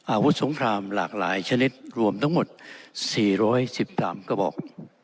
อาวุธสงครามหลากหลายชนิดรวมทั้งหมด๔๑๓กระบอก